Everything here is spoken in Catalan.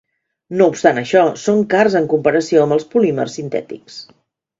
No obstant això, són cars en comparació amb els polímers sintètics.